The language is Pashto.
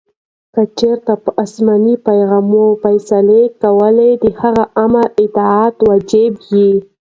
کې چیري په اسماني پیغام فیصلې کولې؛ د هغه آمر اطاعت واجب يي.